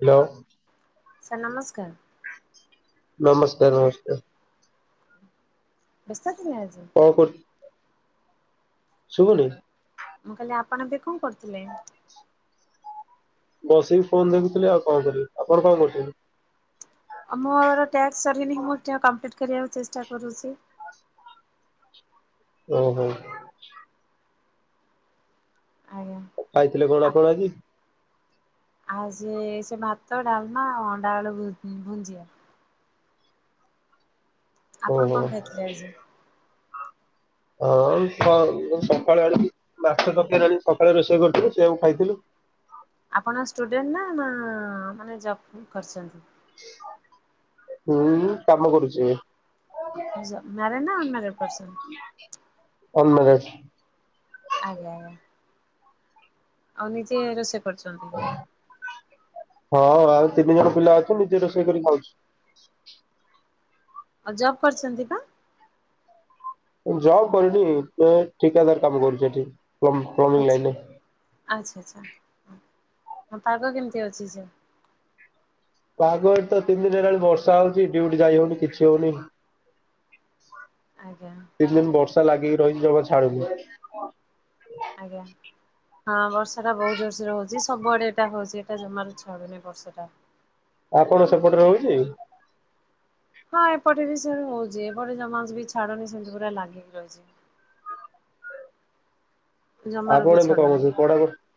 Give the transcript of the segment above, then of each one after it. Hello. Sir ନମସ୍କାର। ନମସ୍କାର ନମସ୍କାର। ବ୍ୟସ୍ତ ଅଛନ୍ତି ଆଜି? କଣ କରୁଛୁ? ଶୁବୁନି? ମୁଁ କହିଲି ଆପଣ ଏବେ କଣ କରୁଥିଲେ? ବସିକି ଫୋନ ଦେଖୁଥିଲେି ଆଉ କଣ କରିବି ଆପଣ କଣ କରୁଛନ୍ତି? ଆଉ ମୋର ଟ୍ୟାକ୍ସ ସରିନିଁ ମୁଁ ଟ କମ୍ପ୍ଲିଟ୍ କରିବାକୁ ଚେଷ୍ଟା କରୁଛି। ଓହୋ। ଆଜ୍ଞା। ଖାଇଥିଲେ କଣ ଆପଣ ଆଜି? ଆଉ ସେ ସେ ଭାତ, ଡାଲମା, ଅଣ୍ଡା ଆଳୁ ଭୁ ଭୁନଜିଆ। ଆପଣ ଓହୋ କଣ ଖାଇଥିଲେ ଆଜି? ହଁ ସ ସକାଳେ ଆଣି ମାଛ ତକାରି ଆଣିକି ସକାଳେ ରୋଷେଇ କରୁଥିଲୁ ସେଆକୁ ଖାଇଥିଲି। ଆପଣ ଷ୍ଟୁଡେଣ୍ଟ ନା ନା ମାନେ ଜବ୍ କରିଛନ୍ତି? ଉଁ ମୁଁ କାମ କରୁଛି। ହଜ ମ୍ୟାରେଡ଼ ନା ଅନମ୍ୟାରିଡ଼ ପର୍ସନ୍? Unmarried. ଆଜ୍ଞା ଆଜ୍ଞା। ଆଉ ନିଜେ ରୋଷେଇ କରୁଛନ୍ତି? ହଁ ଆଉ ତିନି ଜଣ ପିଲା ଅଛୁ ନିଜେ ରୋଷେଇ କରିକି ଖାଉଛୁ। ଆଉ ଜବ୍ କରିଛନ୍ତି ବା? ଜବ୍ କରିନି ଏ ଠିକାଦାର କାମ କରୁଛ ଏଠି [unintelligible] ଆଚ୍ଛା ଲାଇନରେ। ଆଚ୍ଛା ଆଚ୍ଛା ହଁ ପାଗ କେମିତି ଅଛି ସାର୍? ପାଗ ତ ତିନି ଦିନ ହେଲାଣି ବର୍ଷା ହଉଛି ଡିଉଟି ଯାଇ ହଉନି କିଛି ହଉନି। ଆଜ୍ଞା। ତିନି ଦିନ ବର୍ଷା ଲାଗିକି ରହିଚି ଜମା ଛାଡ଼ୁନି। ଆଜ୍ଞା। ହଁ ବର୍ଷା ଟା ବହୁତ ଜୋରସୋରେ ହଉଛି ସବୁଆଡେଇଟା ହଉଛି ଏଇଟା ଜମାରୁ ଛାଡୁନି ବର୍ଷା ଟା। ଆଉ କଣ ସେପଟରେ ହଉଛି? ହଁ ଏପଟେ ବି ସେ ହଉଛି ଏପଟେ ଜମା ବି ଛାଡନି ସେମିତି ପୁରା ଲାଗିକି ରହିଛି। ଜମାରୁ ବି ଆପଣ ଏବେ କଣ ଛାଡୁନି କରୁଛନ୍ତି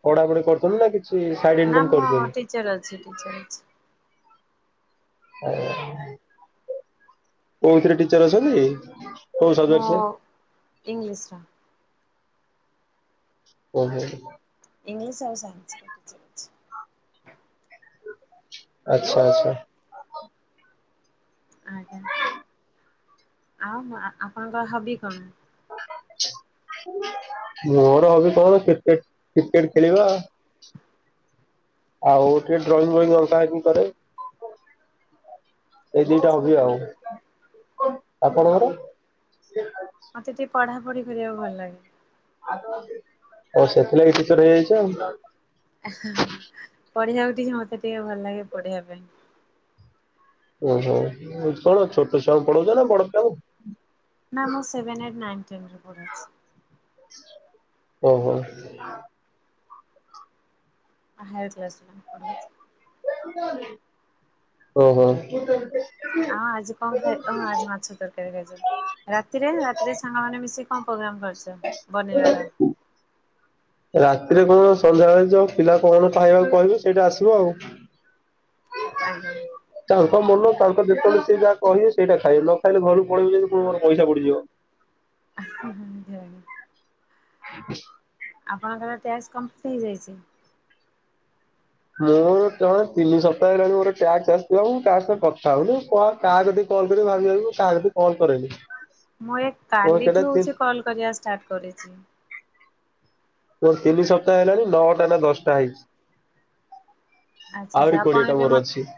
ପଢା ପଢି କରୁଛନ୍ତି ନା କିଛି ସାଇଡ ନା ଇନକମ ମୁଁ କରୁଛନ୍ତି? ଟିଚର ଅଛି ଟିଚର୍ ଅଛି। ଆଜ୍ଞା, କଉଥିରେ ଟିଚର ଅଛନ୍ତି? କୋଉ ମୁଁ ସବଜେକ୍ଟରେ? ଇଂଲିସର। ଓ। [unintelligible] ଇଂଲିଶ ଆଉ ସାଇନ୍ସ ର ଟିଚର। ଅଛି। ଆଚ୍ଛା ଆଚ୍ଛା। ଆଜ୍ଞା, ଆଉ ଆପଣଙ୍କ ହବି କଣ? [unintelligible] ମୋର ହବି କଣ କ୍ରିକେଟ କ୍ରିକେଟ ଖେଳିବା ଆଉ। ଆଉ ଟିକେ ଡ୍ରଇଂ ମଇଂ ଅଙ୍କା ଅଙ୍କି କରେ। ଏଇ ଦିଟା ହବି ଆଉ, ଆପଣଙ୍କର? ମତେ ଟିକେ ପଢ଼ା ପଢି କରିବାକୁ ଭଲ ଲାଗେ। ଆଉ ସେଥିଲାଗି ଟିଚର ହେଇଯାଇଛି ଆଉ। ପଢିବାକୁ ଟିକେ ମତେ ଟିକେ ଭଲ ଲାଗେ ପଢିବା ପାଇଁ। ଓହୋ କଣ ଛୋଟ ଛୁଆଙ୍କୁ ପଡଉଛ ନା ବଡ ପିଲାଙ୍କୁ? ନା ମୁ ସେଭନ ଏଇଟ୍ ନାଇ ଟେନ ରେ ପଢୁଛି। ଓ ହୋ। Higher class ପଢ଼ଛି। ଓ ହୋ। ଆଁ ଆଜି କଣ ଖାଇ ହଁ ଆଜି ମାଛ ତର ରାତିରେ ରାତିରେ ସାଙ୍ଗମାନେ ମିଶି କଣ ପ୍ରୋଗ୍ର [inaudible] ରାତିରେ କଣ ସନ୍ଧ୍ୟାବେଳେ ଯଉ ପିଲା କଣ ପାଇବାକୁ କହିବୁ ସେଇଟା ଆସିବ ଆଉ। ଆଜ୍ଞା। ତାଙ୍କ ମନ ତାଙ୍କ ଯେତଳେ ସେ ଯାହା କହିବେ ସେଇଟା ଖାଇବେ ନ ଖାଇଲେ ଘରୁକୁ ପଳେଇବେ ଯେ ମୋର ପଇସା ପଡିଯିବ। ଆ [inaudible] ଆପଣଙ୍କର ଟ୍ୟାକ୍ସ କମ୍ପିଲିଟ ହେଇଯାଇଛି? ମୁଁ ର ଜଣେ ତିନି ସପ୍ତାହ ହେଲାଣି ମୋର ଟ୍ୟାଗ ଆସିିବ ତା ସଙ୍ଗ କଥା ହବନି କହ କାହା ଯଦି କଲ୍ କରି ଭାବିପିବ କାହା କତିକି କଲ୍ କରେନି। ମୁଁ ଏ ମୋର ସେଇଟା କାଲିଠୁ ତି ହଉଛି କଲ୍ କରିବା ଷ୍ଟାର୍ଟ କରିଛି। ମୋର ତିନି ସପ୍ତାହ ହେଲାଣି ନଅଟା ନା ଦଶଟା ହେଇଛି। ଆଚ୍ଛା ଆଚ୍ଛା ଆହୁରି ଆପଣ କୋଡିଏଟା ଏବେ ମ ମୋର ଅଛି।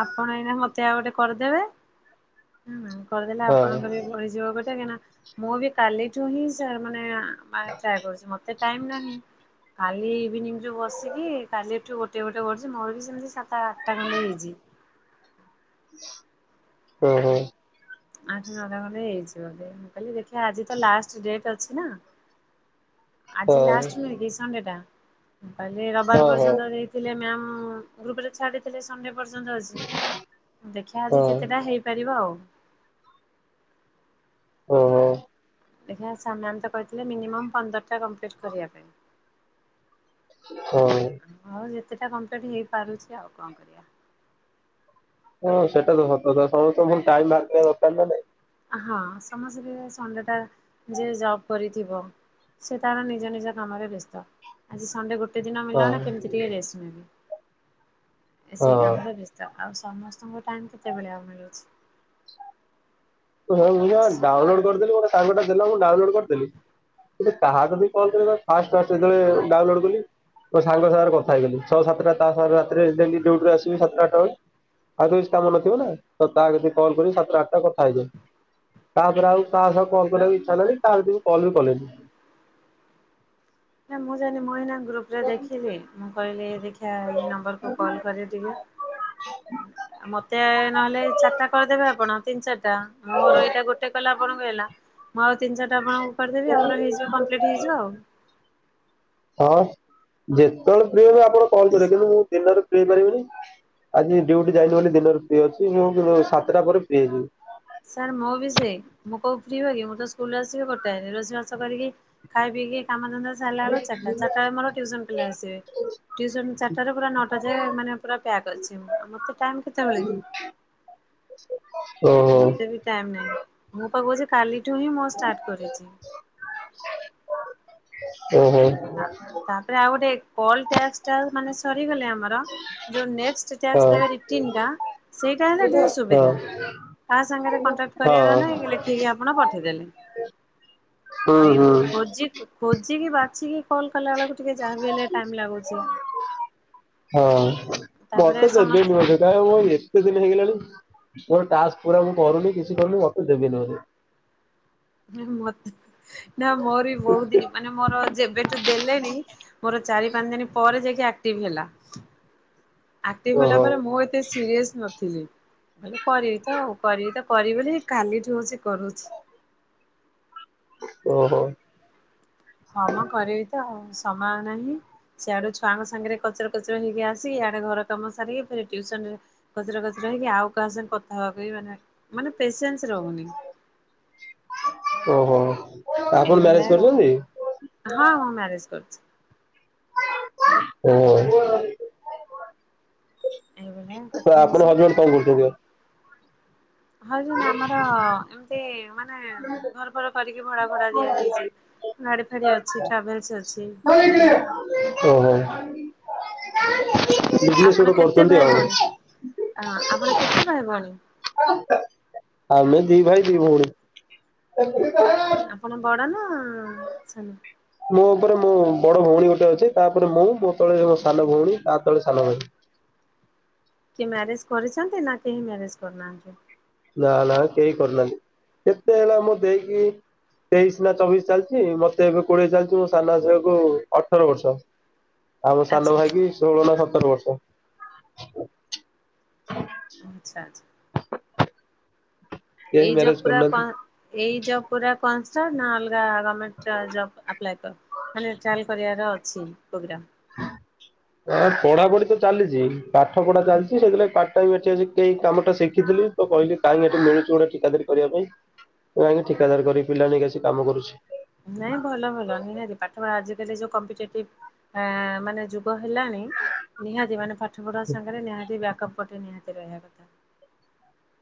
ଆପଣ ଏଇନା ମତେ ଆଉ ଗୋଟେ କରିଦେବେ। ହଁ କରିଦେଲେ ହଁ ଆପଣଙ୍କର ବି ବଢିଯିବ ଗୋଟେ କାହିଁକି ନା ମୁଁ ବି କାଲିଠୁ ହିଁ ସେ ମାନେ ଟ୍ରାଏ କରୁଛି ମତେ ଟାଇ ନାହିଁ କାଲି ଇଭିନିଂ ଯଉ ବସିକି କାଲି ଏଠୁ ଗୋଟେ ଗୋଟେ ବ ମୋର ବି ସେମିତି ସାତ ଆଠଟା ଖଣ୍ଡେ ହେଇଛି? ହୁଁ ହୁଁ। ଆଠ ନଅଟା ଘରେ ହେଇଯିବ ମୁଁ କହିଲଲି ଦେଖିବା ଆଜି ତ ଲାଷ୍ଟ ଡେଟ୍ ଅଛି ନା? ଆଜି ହଁ ଲାଷ୍ଟ ନୁହେଁ କି ସଣ୍ଡେ ଟା ରବିବାର ହଁ ହଁ ହଁ ହଁ। ପର୍ଯ୍ୟନ୍ତ ଗ୍ରୁପ୍ ରେ ଛା ସଣ୍ଡେ ପର୍ଯ୍ୟନ୍ତ ଅଛି ଦେଖିବା ଆଜି କେତେଟା ହେଇପାରିବ ଆଉ। ହୁଁ। ଦେଖ ସାମାନ୍ୟ ତ କହିଥିଲେ ମିନିମମ୍ ପନ୍ଦରଟା କମ୍ପ୍ଲିଟ୍ କରିବା ପାଇଁ। ହଁ। ହଉ ଯେତେଟା କମ୍ପ୍ଲିଟ୍ ହେଇପାରୁଛି ଆଉ କଣ କରିବା? ହଁ ସେଟା ତ ସତକଥା ସମସ୍ତେ ଭଲ ଟାଇମ ଲାଗିବା ଦରକାର ନା ନାଇଁ? ହଁ ସମସ୍ତେ ସନଡେ ଟା ଯେ ଜବ୍ କରିଥିବ। ସେ ତାଙ୍କର ନିଜ ନିଜ କାମରେ ବ୍ୟସ୍ତ ଆଜି ସନଣ୍ଡେ ଗୋ କେତେ ଦିନ ମିଳିଲା ନା ହଁ କେମିତି ଟିକେ ରେଷ୍ଟ ନେବି। ଏ ସେ ହଁ। କାମରେ ବେ ତ ଆଉ ସମସ୍ତଙ୍କୁ ଟାଇମ କେତେବେଳେ ଆଉ ମିଳୁଛି। ହଁ ମୁଁ ଯମା ଡାଉନଲୋଡ କରିଦେଲି ମୋ କାହାକୁ ଗୋଟେ ଦେଲା ମୁଁ ଡାଉନଲୋଡ କରିଦେଲି। କାହାକୁ ବି କଣ କ ଫାଷ୍ଟ ଫାଷ୍ଟତେବେଳେ ଡାଉନଲୋଡ କଲି। ମୋ ସାଙ୍ଗ ସାଙ୍ଗରେ କଥା ହେଇଗଲି ଶହଅ ସାତଟା ତା ସରେ ରାତିରେ ଡଲିଡଉଟରେ ଆସିବି ସାତଟା ଆଠଟା ଆଉ କି କାମ ନଥିବ ନା ତ ତା ଯଦି କଲ୍ କରି ସାତ ଆଠଟା କଥା ହେଇଯାଏ। କାହାରେ ଆଉ କାହା ସହ କଲ କରିବାକୁ ଇଚ୍ଛା ନାଁ ତା ଭିତରେ କଲ ବି କଲିନି। ନା ମୁଁ ଜାଣିନି ମଇନା ଗ୍ରୁପରେ ଦେଖିଲି ମୁଁ କହିଲି ଦେଖିବା ଏଇ ନମ୍ବରକୁୁ କଲ୍ କରେ ଟିକେ। ଆ ମତେ ନହେଲେ ଚାରିଟା କରିଦେବେ ଆପଣ ତିନି ଚାରିଟା। ମୋର ଏଇଟା ଗୋଟେ କଲା ଆପଣଙ୍କୁ ହେଲା ମୁଁ ଆଉ ତିନ ଚିଟା ଆପଣଙ୍କୁ କରିଦେବି ଆମର ହେଇଯିବ ପା ପ୍ଲେଟ୍ ହେଇଯିବ ଆଉ। ହଁ ଯେତେବେଳେ ପ୍ରିୟ ହଁ ଆପଣ କଣ କରିବେ କିନ୍ତୁ ମୁଁ ଦିନରେ ହେଇପାରିବିନି ଆଜି ଡ୍ୟୁଟି ଯାଇନି ବୋଲି ଦିନରେ ଫ୍ରି ଅଛି ମୁଁ ସାତଟା ପରେ ଫ୍ରି ହେଇଯିବି। ସାର୍ ମୁଁ ବି ସେ ମୁଁ କୋଉ ଫ୍ରି ହୁଏ କି ମୁଁ ତ ସ୍କୁଲରେ ଆସିବି ଗୋଟିଏ ରୋଷେଇ ବାସ କରିକି କା ବିି କାମଧନ୍ଦା ସାରିଲା ବେଳକୁ ଚାରିଟା ଚାରିଟା ବେଳକୁ ମୋର ଟୁଇସନ ପିଲା ଆସିବେ। ଟ୍ୟୁସନ ଚାରିଟାରେ ପୁରା ନଅଟା ଯାଏ ମାନେ ପୁରା ପ୍ୟାକ୍ ଅଛି ମୁଁ। ଆଉ ମୋତେ ଟାଇମ୍ କେତେବେଳେ କି? [inaudible] ଓହୋ ମତେ ବି ଟାଇମ ନାହିଁ ମୁଁ ପା କହୁଛି କାଲିଠୁ ହିଁ ମୁଁ ଷ୍ଟାର୍ଟ କରିଛି। ଓ ହୋ। ହଁ ତାପରେ ଆଉ ଗୋଟେ ମାନେ ସରିଗଲେ ଆମର। ଯୋଉ ନେଷଟେ ହଁ ଟାକସ ଦେବେ ରିକିନ ଟା ସେଇଟା ହେଲା ଟିକେ ହଁ ସୁବିଧା। କାହା ସାଙ୍ଗରେ କଣ୍ଟାକ୍ଟ କରିବାର ହଁ। ନା ଲେଖିକି ଆପଣ ପଠେଇଦେଲେ। ହୁଁ ଆଉ ହୁଁ ଏ ଖୋଜି ଖୋଜି କି ବାଛି କି କଣ କଲେ ଆଳକୁ ହଁ ତାପରେ ମତେ ସମସ୍ତେ ଦେବେନି ବଧେ ଏତେ ଦିନ ହେଇଗଲାଣି ମୋର ଟାସ୍କ ପୁରା ମୁଁ କରୁନି କିଛି କରୁନି ଆକୁ ଦେବିିନି ଆଉ। ମତେ ନା ମୋର ବି ବହୁତ ଦିନ ମାନେ ମୋର ଯେବେଠୁ ଦେଲେଣି। ମୋର ଚାରି ପାଞ୍ଚ ଦିନ ପରେ ଯାଇକି ଆକ୍ଟିଭ ହେଲା। ଆକ୍ଟିଭ ହେଲା ଓହୋ। ପରେ ମୁଁ ଏତେ ସିରିଅସ୍ ନଥିଲି। ବ କରିବି ତ ଆଉ କରିବି ତ କରିବିନି କାଲିଠୁ ହଉଛି କରୁଛି। ଓହୋ। ହଁ ମୁଁ କରିବି ତ ଆଉ ସମୟ ନାହିଁ। ସେଆଡୁ ଛୁଆଙ୍କ ସାଙ୍ଗରେ କଚରା କଚର ହେଇକି। ଆସି ଇଆଡେ ଘର କାମ ସାରିକି ଫେରେ ଟିଉସନ ରେ କଚରା କଚରା ହେଇକି ଆଉ କାହା ସାଙ୍ଗେ କଥା ହବାକୁ ମାନେ ମାନେ ପେସେନ୍ସ ରହୁନି। ଓହୋ। ଆପଣ ଏଇ ମ୍ୟାରେଜ ଭଳିଆ କରିଛନ୍ତି? କଥା ହଁ ହଁ ମ୍ୟାରେଜ କରିଚି। ହୁଁ। ଏଇଭଳିଆ କଥା ତ ହଉଚି। ଆପଣ ହଜବେଣ୍ଡ କଣ କରୁଛନ୍ତି। ହଜବେନଟେ ଆମର ଏମିତି ମାନେ ଘର ଫର କରିକି ଭଡା ଭଡା ଦିଆ ହେଇଛି। ଗାଡ଼ି ଫାଡ଼ି ଅଛି ଟ୍ରାଭେଲସ ଅଛି ଏଇଭଳି ଆଉ। ଓହୋ ବିଜନେସ ଗୋଟ କରୁଛନ୍ତି ଆଉ। ଅ ଆପଣ କେତେ ଭାଇ ଭଉଣୀ। ଆମେ ଦି ଭାଇ ଦି ଭଉଣୀ। ଆପଣ ବଡ ନା ସାନ। ମୋ ଉପରେ ମୋ ବଡ ଭଉଣୀ ଗୋଟେ ଅଛି। ତାପରେ ମୁଁ ମୋ ତଳେ ମୋ ସାନ ଭଉଣୀ ତା ତଳେ ସାନ ଭାଇ। କି ମ୍ୟାରେଜ କରିଛନ୍ତି ନା କେହି ମ୍ୟାରେଜ କରିନାହାନ୍ତି। ନା ନା କେହି କରୁନାହାନ୍ତି କେତେ ହେଲା ମୁଁ ଦେଇକି ତେଇଶ ନା ଚବିଶ ଚାଲିଛି। ମତେ ଏବେ କୋଡିଏ ଚାଲିଛି ମୋ ସାନ ଆସିବାକୁ ଅଠର ବର୍ଷ। [inaudible] ଆଉ ଆଚ୍ଛା ସାନ ଆଚ୍ଛା ଭାଇ କି ଷୋହଳ ନା ସତର ବର୍ଷ। ଆଚ୍ଛା ଆଚ୍ଛା। କେହି ଏଇ ଯ ମ୍ୟାରେଜ ପୁରା କରୁନାହାନ୍ତି। କନ୍ ଏଇ ଯ ପୁରା କାନସ୍ ଟା ନହେଲେ [unintelligible] ଗମେଣ୍ଟ ଟା ଯବ୍ ଆପ୍ଲାଏ କରି ମାନେ ଟ୍ରାଏଲ କରିବାର ଅଛି ପ୍ରୋଗ୍ରମ୍। ହଁ ପଢାପଢି ତ ଚାଲିଛି ପାଠ ପଢା ଚାଲିଛି ସେଥି ଏଠି କାମ ଟା ଶିଖି ଥିଲି ତ କହିଲି କାହିଁ ଏଠି ମିଳୁଛି ଗୋଟେ ଠିକାଦରି କରିବା ପାଇଁ। କାହିଁକି ଠିକାଦାର କରିକି ପିଲା ନେଇ କିଛି କାମ କରୁଛି। ନାଇଁ ଭଲ ଭଲ ନିହାତି ପାଠପଢା ଆଜିକାଲି ଯୋଉ କମ୍ପିଟିଟ ଉଁ ମାନେ ଯୋ ହେଲାଣି ନିହାତି ମାନେ ପାଠ ପଢା ସାଙ୍ଗରେ ନିହାତି ବ୍ୟାକଅପ୍ ଗୋଟେ ନିହାତି ରହିବା କଥା।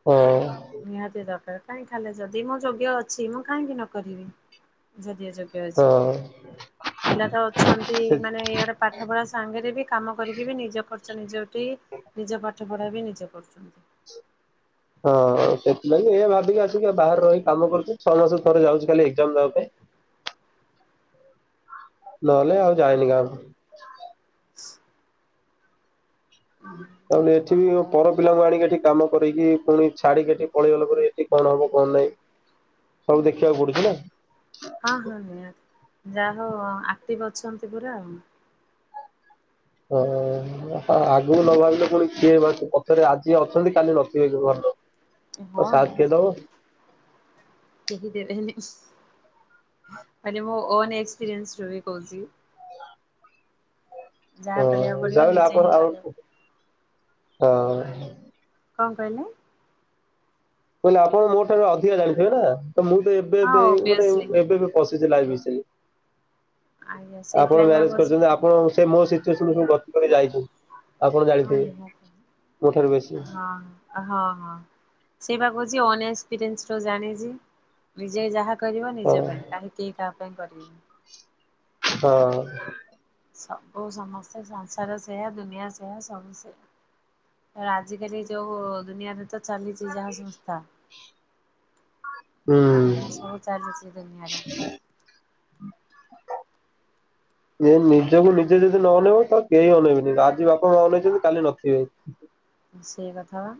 ହଁ ନିହାତି ଦରକାର କାହିଁକି ଖାଲି ଯଦି ମୁଁ ଯୋଗ୍ୟ ଅଛି। ମୁଁ କାହିଁକି ନ କରିବି। ଯଦିଓ ହଁ। ଯୋଗ୍ୟ। ପିଲା ତ ଅଛନ୍ତି ସେ ମାନେ ଇଆଡେ ପା ପାଠ ପଢ଼ା ସାଙ୍ଗରେ ବି କାମ କରିକି ବି ନିଜ ଖର୍ଚ ନିଜ ଉଠେଇ ନିଜ ପାଠ ପଢା ବି ନିଜେ କରୁଛନ୍ତି। ହଁ ସେଥିଲାଗି ଏଇଆ ଭାବିକି ଆସିକ ବାହାରେ ରହିି କାମ କରୁଛୁ। ଛଅ ମାସ ଥରେ ଯାଉଛଛି ଖାଲି ଏକ୍ଜାମ ଦବା ପାଇଁ। ନହେଲେ ଆଉ ଯାଇନି ଗାଁକୁ। [inaudible] ଆଉ ଏଠି ବି ମ [unintelligible] ପର ପିଲାଙ୍କୁ ଆଣିକି ଏଠି କାମ କରେଇକି ପୁଣି ଛାଡିକି ଏଠି ପଳେଇଗଲା ପରେ ଏଠି କଣ ହବ କଣ ନାଇ। ସବୁ ଦେଖିବାକୁ ପଡୁଛି ନା। ହଁ ହଁ ନିହାତି ଯା ହଉ ଆକ୍ଟିଭ ଅଛନ୍ତି ପୁରା ଆଉ। ହଁ। ଆଗକୁ ନ ଭାବିଲେ ପୁଣି କିଏ ପଛରେ ଆଜି ଅଛନ୍ତି କାଲି ନଥିବେ ଘରଲୋକ। ହଁ ନିହାତି କେହି ଦେବେନି। ମାନେ ମୁଁ ଅନ୍ ଏକ୍ସପିରିଅନ୍ସ ରୁ ବି କହୁଛି। ଯାହା ହଁ କରିବାକୁ ପଡିବ ଯାହେଲେ ନିଜେ ହିଁ ଆପଣ ଆଉ କରିବାକୁ ହଁ କଣ କହିଲେ? କହିଲି ଆପଣ ମୋ ଠାରୁ ଅଧିକା ଜାଣିଥିବେ ନା ତ ମୁଁ ତ ଏବେ ହଁ ଏବେ ମାନେ ଓବିଅସଲି। ଏବେ ଏବେ ପଶିଛି [unintelligible] ଆଜ୍ଞା ଆପଣ ସେଇଥିଲାଗି ଆଉ ମ୍ୟାରେଜ କହୁଛି କରିଛନ୍ତି ଆପଣ ସେ ମୋ ସିଚୁଏସନ ସବୁ ଗତି କରି ଯାଇଛନ୍ତି ଆପଣ ହଁ ଜାଣିଥିବେ ନିହାତି। ମୋ ଠାରୁ ବେଶୀ। ହଁ ହଁ ହଁ ସେଇ ବା କହୁଛି ଅନ୍ ଏକ୍ସପିରିଏନ୍ସ ର ଜାଣିଛି ନିଜେ ଯାହା କରିବ ହଁ ନିଜ ପାଇଁ କାହିଁ କେ କାହା ପାଇଁ କରିବେନି ହଁ। ସବୁ ସମସ୍ତେ ସଂସାର ସେୟା ଦୁନିଆ ସେୟା ସବୁ ସେୟା। ଆଜିକାଲି ଯୋଉ ଦୁନିଆରେ ତ ଚାଲିଛି ଯାହା ସଂସ୍ଥା ଯାହା ସବୁ ଚାଲିଛି ଦୁନିଆରେ। ହୁଁ। [inaudible] ଏ ନିଜକୁ ନିଜେ ଯଦି ନ ଅନେଇବ ତ କେହି ଅନେଇବେନି ଆଜି ବାପା ମା ଅନେଇଛନ୍ତି କାଲି ନଥିବେ। ସେଇ କଥା ବା।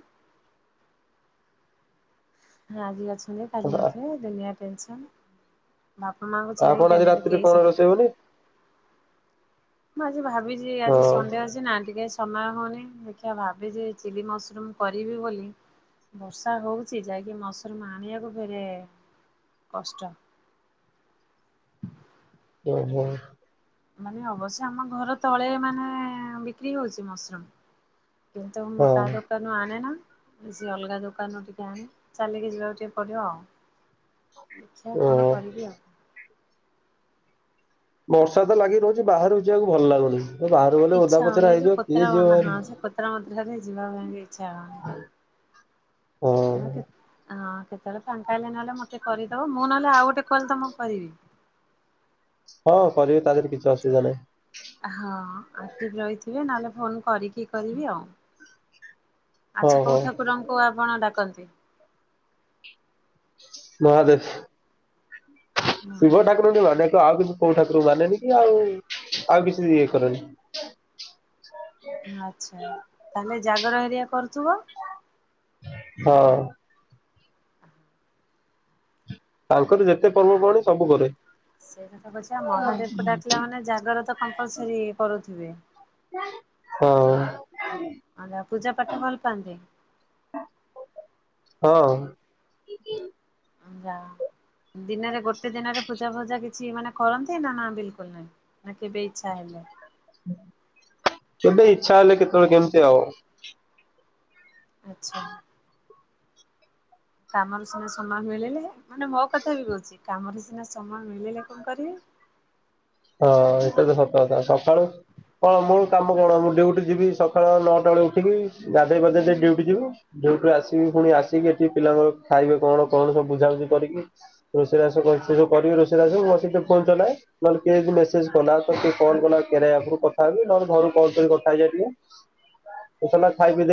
ହଁ ଆଜି ଅଛନ୍ତି କାଲି ନଥିବେ ଦୁନିଆ ଟେନସନ। ବାପା ମାଆଙ୍କୁ ଆପଣ ଛାଡିକି ଆଜି ଦୁନିଆରେ ରାତିରେ କେହି କଣ ରୋଷେଇ ସାଙ୍ଗରେ ହବନି ମୁଁ ଆଜି ଭାବିଛି ଆଜି ହଁ ସନ୍ ଡେ ଆଜି ନା ଟିକେ ସମୟ ହଉନି ଦେଖିବା ଭାବିଛି ଯେ ଚିଲି ମସ୍ରୁମ୍ କରିବି ବୋଲି ବର୍ଷା ହଉଚି ଯାଇକି ମସ୍ରୁମ ଆଣିବାକୁ ଫେରେ କଷ୍ଟ। ଓହୋ। ମାନେ ଅବଶ୍ୟ ଆମ ଘର ତଳେ ମାନେ ବିକ୍ରି ହଉଛି ମସ୍ରୁମ୍ କିନ୍ତୁ ମୁଁ ହଁ ତା ଦୋକ ଦୋକାନରୁ ଆଣେନା ସିଏ ଅଲଗା ଦୋକାନରୁୁ ଟିକେ ଆଣେ ଚାଲିକି ଯିବାକୁ ଟିକେ ପଡିବ ଆଉ। ଦେଖିଆ କଣ ଓହୋ। କରିବି ଆଉ? ବର୍ଷା ତ ଲାଗି ରହୁଛି ବାହାରୁକୁ ଯିବାକୁ ଭଲ ଲାଗୁନି ବାହାରୁ ଗଲେ ଇଚ୍ଛା ଓଦା ହଉନି ପଚରା ଏ ଯୋଉ ହେଇଯିବ କୋତରା କିଏ ଯିବ ବନ୍ଧା ହଁ ବାହାରକୁ। ସେ କୋତରା ମୋତରା ରେ ଯିବା ପାଇଁ ବି ଇଚ୍ଛା ହଉନି। ହଁ କେତେ ହଁ କେତେବେଳେ ଫାଙ୍କା ହେଲେ ନହେଲେ ମତେ କରିଦବ। ମୁଁ ନହେଲେ ଆଉ ଗୋଟେ କଲ୍ ତୁମକୁ କରିବି। ହଁ କରିବି ତା ଦେହରେ କିଛି ଅସୁବିଧା ନାହିଁ। ହଁ ଆକର୍ଟିଭ୍ ରହିଥିବେ ନହେଲେ ଫୋନ୍ କରିକି କରିବି ଆଉ। ହଁ ଆଛା କୋଉ ହଁ ଠାକୁରଙ୍କୁ ଆପଣ ଡାକନ୍ତି? ମହାଦେଶ ଶିବ ମହାଦେବ ଠାକୁରଙ୍କୁ ଟିକେ ମାନେ ଆଉ କିଛି କୋଉ ଠାକୁର ମାନେନି କି ଆଉ ଆଉ କିଛି ଇଏ କରେନି। ଆଚ୍ଛା ତାହେଲେ ଜାଗର ହେରିକା କରୁଥିବ? ହଁ। [inaudible] ତାଙ୍କର ଯେତେ ପର୍ବ ପର୍ବାଣୀ ସବୁ କରେ। ସେଇ କଥା ପଛେ ମହାଦେବକୁ ଡାକିଲା ମାନେ ଜାଗର ତ କମ୍ପଲସରି କରୁଥିବେ। ହଁ। ଆ ନା ପୂଜା ପାଠ ଭଲ ପାଆନ୍ତି? ହଁ। [inaudible] ଯା ଦିନରେ ଗୋଟେ ଦିନରେ ପୂଜା ଫୂଜା କିଛି ଛି ମାନେ କରନ୍ତି ନା ନା ବିଲକୁଲ ନାହିଁ ନା କେବେ ଇଚ୍ଛା ହେଲେ? କେବେ ଇଚ୍ଛା ହେଲେ କେତଳେ କେମିତି ଆଉ। ଆଚ୍ଛା। କାମରୁ ସିନା ସମୟ ମିଳିଲେ। ମାନେ ମୋ କଥା ବି କହୁଛି କାମରୁ ସିନା ସମୟ ମିଳିଲେ କଣ କରିବେ। ହଁ ଏଇଟା ତ ସତ କଥା ସକାଳୁ କଣ ମୋର କାମ କଣ ମୁଁ ଡିୟୁଟି ଯିବି ସକାଳ ନଅଟା ବେଳେ ଉଠିବି ଗାଧେଇ ପାଧେଇକି ଦେଇ ଡ୍ୟୁଟି ଯିବୁ। ଡ୍ୟୁଟିରୁ ଆସିବି ପୁଣି ଆସିକି ଏଠି ପିଲାଙ୍କର ଖାଇବେ କଣ କଣ ସବୁ ବୁଝାବୁଝି କରିକି ରୋଷେଇ ବାସ ସେ ଯୋଉ କରିବେ ରୋଷେଇ ବାସ ମୁଁ ବସିକି ଫୋନ ଚଲାଏ ନହେଲେ କିଏ ଯଦି ମେସେଜ୍ କଲା ତ କିଏ କଲ୍ କଲା କେରିଆ ଆପ୍ ରୁ କଥା ହେବି ନହେଲେ ଘରୁ କଲ୍ କରିକି କଥା ହେଇଯାଏ ଟିକେ। ଖାଇ ପି ଦେଇକି